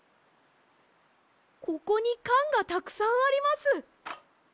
ここにかんがたくさんあります。